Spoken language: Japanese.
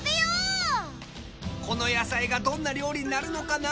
この野菜がどんな料理になるのかな？